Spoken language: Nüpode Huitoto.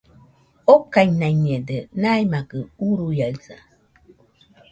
okainaiñede, naimakɨ uruiaɨsa